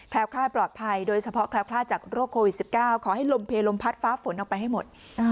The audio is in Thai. คลาดปลอดภัยโดยเฉพาะแคล้วคลาดจากโรคโควิด๑๙ขอให้ลมเพลลมพัดฟ้าฝนออกไปให้หมด